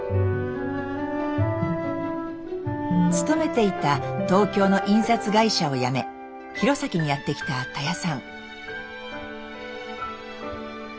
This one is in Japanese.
勤めていた東京の印刷会社を辞め弘前にやって来たたやさん。